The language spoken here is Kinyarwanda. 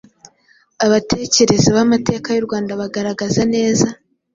Abatekereza b’amateka y’u Rwanda, bagaragaza neza